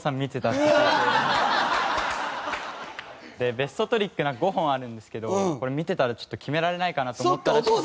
ベストトリックが５本あるんですけどこれ見てたら決められないかなと思ったらしくて。